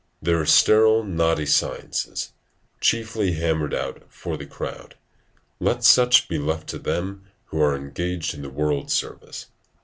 There are sterile knotty sciences, chiefly hammered out for the crowd; let such be left to them who are engaged in the world's service.